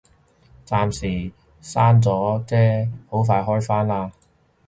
暫時閂咗啫，好快開返啦